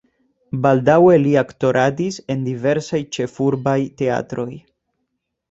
Baldaŭe li aktoradis en diversaj ĉefurbaj teatroj.